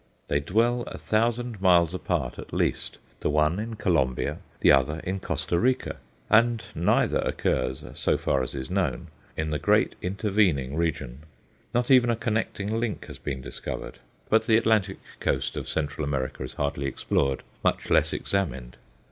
They dwell a thousand miles apart at least, the one in Colombia, the other in Costa Rica; and neither occurs, so far as is known, in the great intervening region. Not even a connecting link has been discovered; but the Atlantic coast of Central America is hardly explored, much less examined.